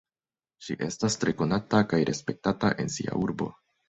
Ŝi estas tre konata kaj respektata en sia urbo.